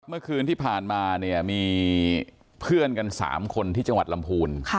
เมื่อคืนที่ผ่านมาเนี่ยมีเพื่อนกัน๓คนที่จังหวัดลำพูน